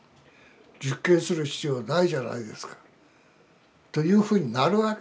実験する必要ないじゃないですか。というふうになるわけですよ